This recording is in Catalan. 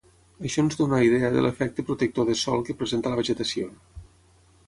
Això ens dóna idea de l'efecte protector de sòl que presenta la vegetació.